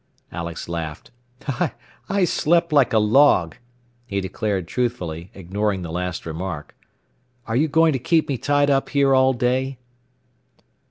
Alex laughed. "I slept like a log," he declared truthfully, ignoring the last remark. "Are you going to keep me tied up here all day?"